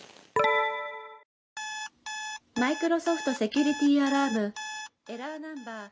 マイクロソフトセキュリティーアラームエラーナンバー。